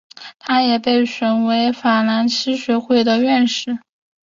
他也被选为法兰西学会的院士。